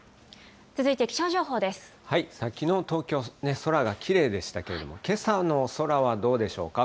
きのう、東京は空がきれいでしたけれども、けさの空はどうでしょうか？